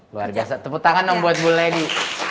luar biasa tepuk tangan yang buat bu lady